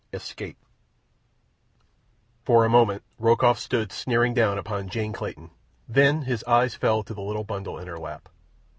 Escape For a moment Rokoff stood sneering down upon Jane Clayton, then his eyes fell to the little bundle in her lap.